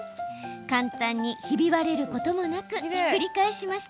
簡単に、ひび割れることもなくひっくり返しました。